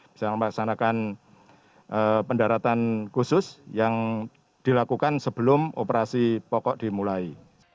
bisa melaksanakan pendaratan khusus yang dilakukan sebelum operasi pokok dimulai